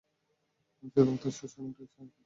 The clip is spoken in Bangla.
আমি শুধুমাত্র সূচনাটাই পড়েছি।